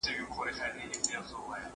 زه پرون کتاب وليکه؟